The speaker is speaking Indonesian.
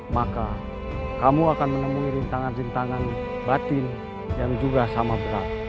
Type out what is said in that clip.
maka kamu akan menemui rintangan rintangan batin yang juga sama berat